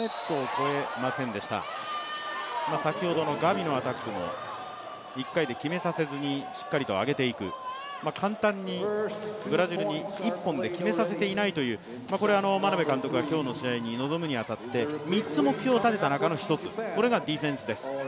先ほどのガビのアタックも１回で決めさせずにしっかりと上げていく、簡単にブラジルに一本で決めさせていないという、これは眞鍋監督が今日の試合に臨むに当たって３つ目標を立てた中の１つこれがディフェンスです。